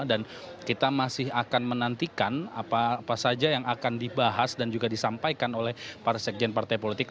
dan kita masih akan menantikan apa saja yang akan dibahas dan juga disampaikan oleh para sekjen partai politik